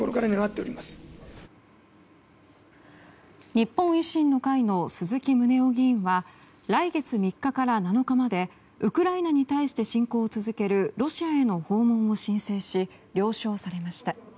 日本維新の会の鈴木宗男議員は来月３日から７日までウクライナに対して侵攻を続けるロシアへの訪問を申請し了承されました。